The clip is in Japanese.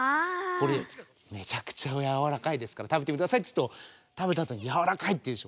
これめちゃくちゃやわらかいですから食べてくださいっつうと食べたあとにうんうん。